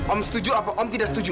om setuju apa om tidak setuju